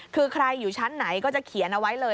คือใครอยู่ชั้นไหนก็จะเขียนเอาไว้เลย